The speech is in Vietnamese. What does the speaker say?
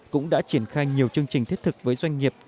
cũng đã triển khai nhiều chương trình thiết thực với doanh nghiệp